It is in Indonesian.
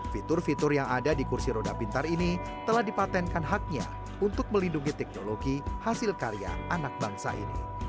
fitur fitur yang ada di kursi roda pintar ini telah dipatenkan haknya untuk melindungi teknologi hasil karya anak bangsa ini